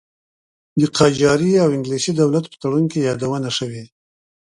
د قاجاري او انګلیسي دولت په تړون کې یادونه شوې.